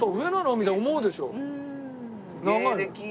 みたいに思うでしょ。